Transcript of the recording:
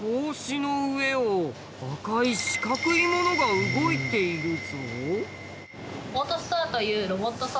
格子の上を赤い四角いものが動いているぞ。